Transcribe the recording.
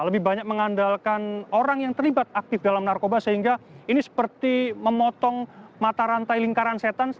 lebih banyak mengandalkan orang yang terlibat aktif dalam narkoba sehingga ini seperti memotong mata rantai lingkaran setan